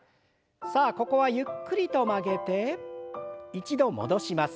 さあここはゆっくりと曲げて一度戻します。